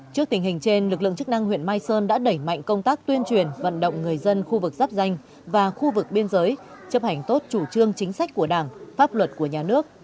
trước tình hình trên lực lượng chức năng huyện mai sơn đã đẩy mạnh công tác tuyên truyền vận động người dân khu vực giáp danh và khu vực biên giới chấp hành tốt chủ trương chính sách của đảng pháp luật của nhà nước